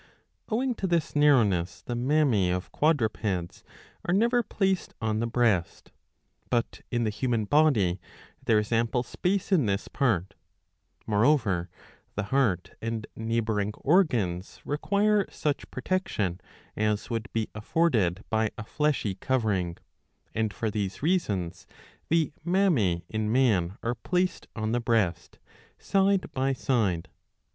Owing to this narrowness the mammae of quadrupeds are never placed on the breast. But in the human body there is ample space in this part ; moreover the heart and neighbouring organs require such protection as would be afforded by a fleshy covering ; and for these reasons the mammae in man are placed on the breast, side by side.